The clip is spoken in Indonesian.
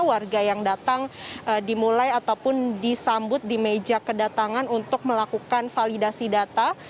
warga yang datang dimulai ataupun disambut di meja kedatangan untuk melakukan validasi data